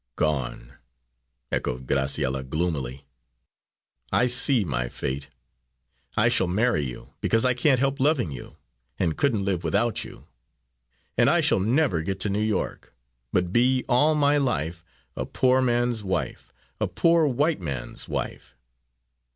"Gone," echoed Graciella, gloomily. "I see my fate! I shall marry you, because I can't help loving you, and couldn't live without you; and I shall never get to New York, but be, all my life, a poor man's wife a poor white man's wife."